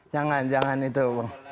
jangan jangan itu bang